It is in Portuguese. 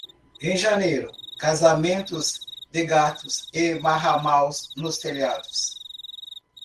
Em janeiro, casamentos de gatos e marramaus nos telhados.